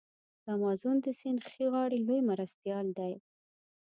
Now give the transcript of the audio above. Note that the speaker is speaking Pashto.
د امازون د سیند ښي غاړی لوی مرستیال دی.